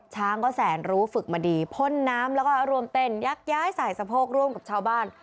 ช้างก็แสนรู้ฝึกมาดีพ่นน้ำแล้วก็รวมเต้นยักย้ายใส่สะโพกร่วมกับชาวบ้าน